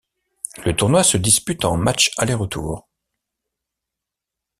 Le tournoi se dispute en matchs aller-retour.